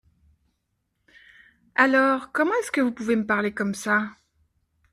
Alors ! Comment est-ce que vous pouvez me parlez comme ça ?